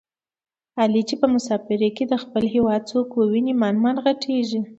علي چې په مسافرۍ کې د خپل هېواد څوک وویني من من ِغټېږي.